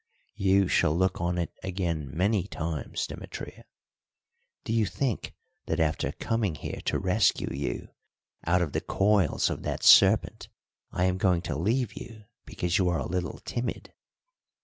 "You shall look on it again many times, Demetria. Do you think that after coming here to rescue you out of the coils of that serpent I am going to leave you because you are a little timid?